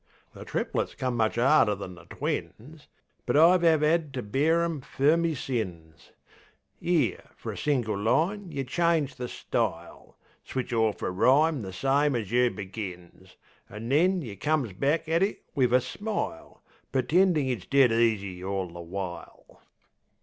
The triplets comes much 'arder than the twins; But I 'ave 'ad to bear 'em fer me sins. 'Ere, fer a single line, yeh change the style, Switch orf an' rhyme the same as you begins; An' then yeh comes back at it wiv a smile, Pertendin' it's dead easy orl the while.